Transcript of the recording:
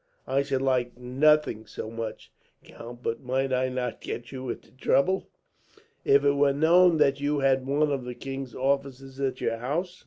"I should like nothing so much, count; but might I not get you into trouble, if it were known that you had one of the king's officers at your house?"